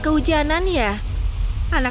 kejauhan yang merata